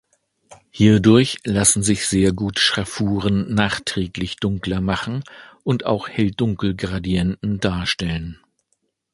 Hierdurch lassen sich sehr gut Schraffuren nachträglich dunkler machen und auch Hell-Dunkel-Gradienten darstellen.